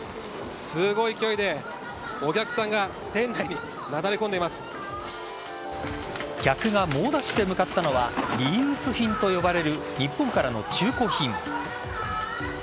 すごい勢いでお客さんが店内に客が猛ダッシュで向かったのはリユース品と呼ばれる日本からの中古品。